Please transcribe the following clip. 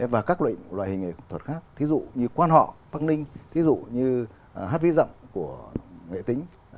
và các loại hình nghệ thuật khác thí dụ như quang họ quảng ninh thí dụ như hát vĩ dọng của nghệ tính